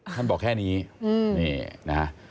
ท่านบอกแค่นี้นี่นะฮะ